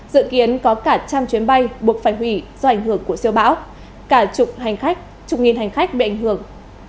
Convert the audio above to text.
dự kiến có cả trăm chuyến bay buộc phải hủy do ảnh hưởng của siêu bão cả chục nghìn hành khách bị ảnh hưởng